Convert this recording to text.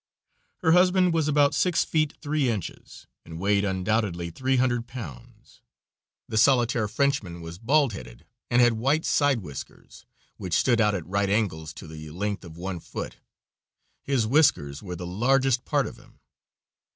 Her husband was about six feet three inches, and weighed undoubtedly three hundred pounds. The solitaire Frenchman was bald headed, and had white side whiskers, which stood out at right angles to the length of one foot; his whiskers were the largest part of him.